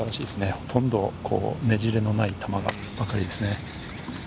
ほとんどねじれのない球ばかりですね。